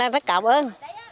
rất cảm ơn